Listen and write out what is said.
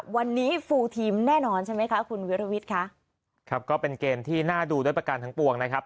วันนี้ฟูลทีมแน่นอนใช่ไหมคะคุณวิรวิทย์คะครับก็เป็นเกมที่น่าดูด้วยประการทั้งปวงนะครับ